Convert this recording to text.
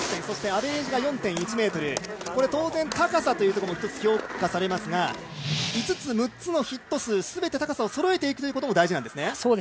そしてアベレージが４．１ｍ、これは当然、高さというところも一つ評価されますが、５つ、６つのヒット数全て高さをそろえていくということも大事なんですね。